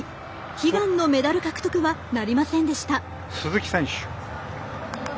悲願のメダル獲得はなりませんでした。